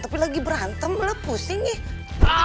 tapi lagi berantem lah pusing ya